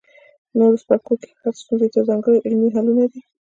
نورو څپرکو کې هرې ستونزې ته ځانګړي عملي حلونه دي.